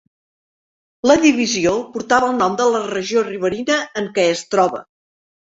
La divisió portava el nom de la regió Riverina en què es troba.